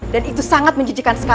dan itu sangat menjijikan sekali